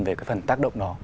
về cái phần tác động đó